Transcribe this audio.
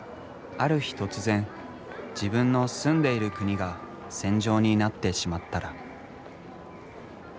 ある日突然自分の住んでいる国が戦場になってしまったら。